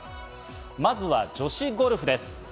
まずは女子ゴルフです。